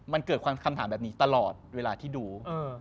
มันเกิดคำถามแบบนี้ตลอดเวลาที่ดู